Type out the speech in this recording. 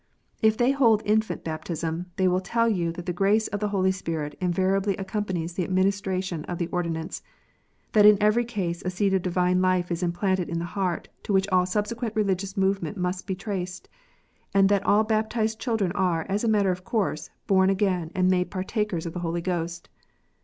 If they hold infant baptism, they will tell you that the grace of the Holy Ghost invariably accompanies the administration of the ordinance, that in every case, a seed of Divine life is implanted in the heart, to which all subsequent religious movement must be traced, and that all baptized children are, as a matter of course, born again, and made partakers of the Holy Ghost